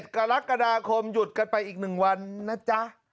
กรกฎาคมหยุดกันไปอีก๑วันนะจ๊ะ